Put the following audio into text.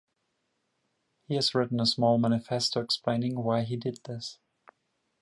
He has written a small manifesto explaining why he did this.